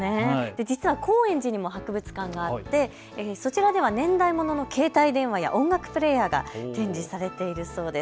実は高円寺にも博物館があってそちらでは年代物の携帯電話や音楽プレーヤーが展示されているそうです。